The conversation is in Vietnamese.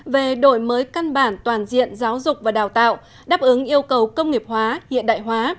về đổi mới căn bản toàn diện giáo dục và đào tạo đáp ứng yêu cầu công nghiệp hóa hiện đại hóa